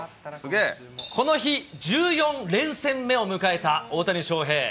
この日、１４連戦目を迎えた大谷翔平。